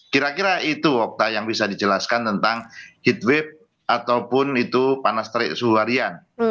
kira kira itu okta yang bisa dijelaskan tentang heatwave ataupun itu panas terik suharian